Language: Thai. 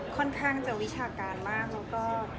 ค่อนข้างจะวิชาการมากแล้วก็